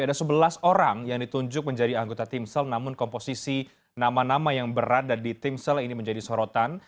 ada sebelas orang yang ditunjuk menjadi anggota timsel namun komposisi nama nama yang berada di timsel ini menjadi sorotan